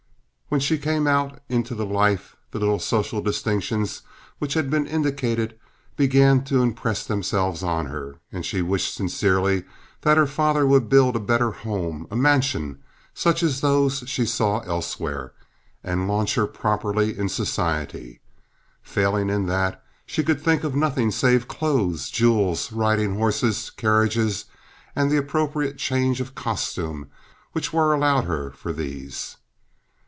When she came out into life the little social distinctions which have been indicated began to impress themselves on her, and she wished sincerely that her father would build a better home—a mansion—such as those she saw elsewhere, and launch her properly in society. Failing in that, she could think of nothing save clothes, jewels, riding horses, carriages, and the appropriate changes of costume which were allowed her for these.